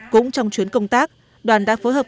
cũng trong chuyến công tác đoàn đã phối hợp